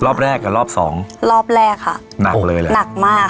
รอบแรกกับรอบสองรอบแรกค่ะหนักเลยเหรอหนักมาก